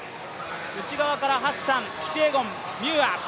内側からハッサン、キピエゴン、ハッサン、ミューア。